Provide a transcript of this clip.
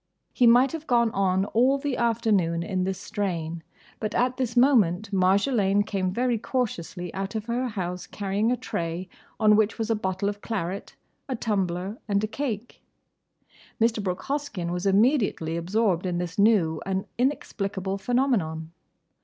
—" He might have gone on all the afternoon in this strain, but at this moment Marjolaine came very cautiously out of her house carrying a tray on which was a bottle of claret, a tumbler, and a cake. Mr. Brooke Hoskyn was immediately absorbed in this new and inexplicable phenomenon.